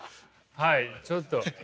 はいちょっと。